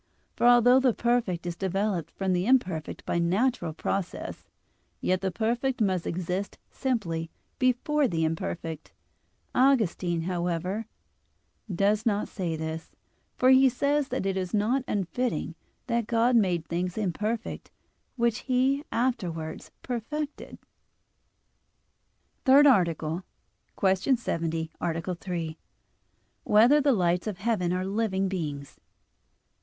For although the perfect is developed from the imperfect by natural processes, yet the perfect must exist simply before the imperfect. Augustine, however (Gen. ad lit. ii), does not say this, for he says that it is not unfitting that God made things imperfect, which He afterwards perfected. _______________________ THIRD ARTICLE [I, Q. 70, Art. 3] Whether the Lights of Heaven Are Living Beings?